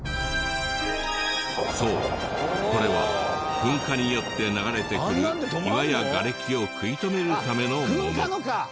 そうこれは噴火によって流れてくる岩やガレキを食い止めるためのもの。